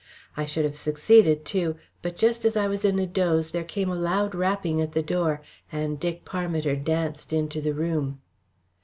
I should have succeeded too, but just as I was in a doze there came a loud rapping at the door, and Dick Parmiter danced into the room.